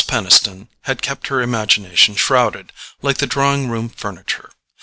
Peniston had kept her imagination shrouded, like the drawing room furniture.